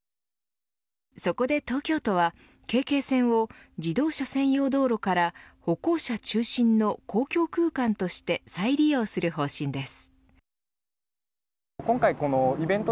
そこで東京都はＫＫ線を自動車専用道路から歩行者中心の公共空間として再利用する方針です。